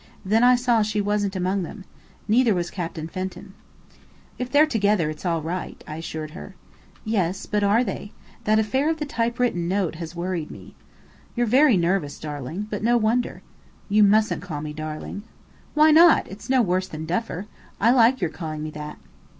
Then I saw she wasn't among them. Neither was Captain Fenton." "If they're together, it's all right," I assured her. "Yes, but are they? That affair of the typewritten note has worried me." "You're very nervous, darling. But no wonder!" "You mustn't call me 'darling.'" "Why not? It's no worse than Duffer. I like your calling me that."